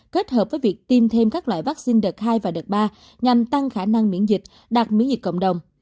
kết hợp với việc tiêm thêm các loại vaccine đợt hai và đợt ba nhằm tăng khả năng miễn dịch đạt miễn dịch cộng đồng